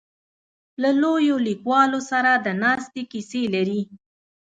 له لویو لیکوالو سره د ناستې کیسې لري.